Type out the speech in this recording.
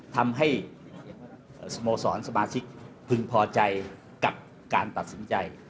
ทำให้สโมสรสมาชิกพึงพอใจกับการตัดสินใจ